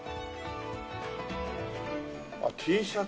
あっＴシャツ